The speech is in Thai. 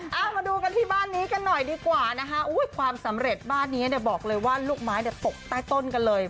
มาดูกันที่บ้านนี้กันหน่อยดีกว่านะฮะความสำเร็จบ้านนี้บอกเลยว่าลูกไม้ตกใต้ต้นกันเลย